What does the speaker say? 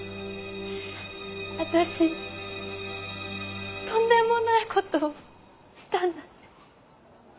私とんでもない事をしたんだって。